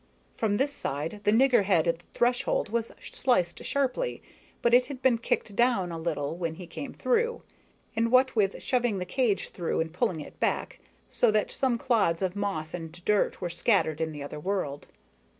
From this side, the niggerhead at the threshold was sliced sharply, but it had been kicked down a little when he came through, and what with shoving the cage through and pulling it back, so that some clods of moss and dirt were scattered in the other world.